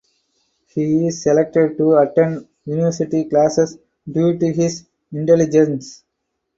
He is selected to attend university classes due to his intelligence.